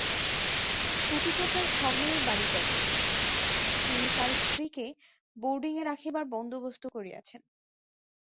ছুটিতে প্রায় সব মেয়েই বাড়ি যাইতেছে, তিনি তাঁর স্ত্রীকে বোর্ডিঙে রাখিবার বন্দোবস্ত করিয়াছেন।